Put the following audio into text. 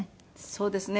そうですね。